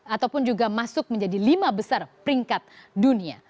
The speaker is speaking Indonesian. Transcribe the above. ataupun juga masuk menjadi lima besar peringkat dunia